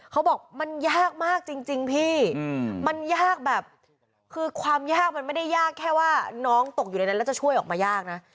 เขาบอกมันยากมากจริงพี่มันยากแบบคือความยากมันไม่ได้ยากแค่ว่าน้องตกอยู่ในนั้นแล้วจะช่วยออกมายากนะ